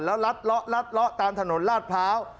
แล้วลัดเลาะลัดเลาะตามถนนลาดพร้าว